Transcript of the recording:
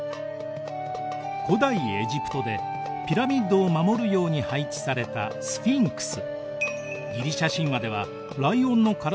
古代エジプトでピラミッドを守るように配置されたスフィンクス。